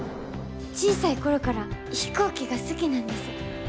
小さい頃から飛行機が好きなんです。